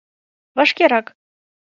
Вашкерак!